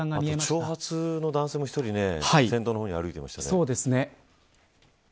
長髪の男性も１人先頭の方に歩いてましたね。